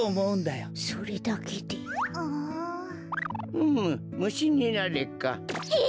ふむ「むしんになれ」か。え！？